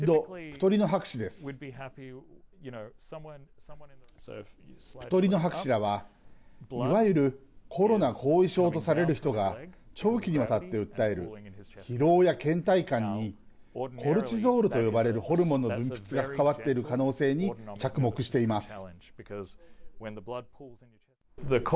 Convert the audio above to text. プトリノ博士らはいわゆるコロナ後遺症とされる人が長期にわたって訴える疲労やけん怠感にコルチゾールと呼ばれるホルモンの分泌が関わっている可能性に着目しています。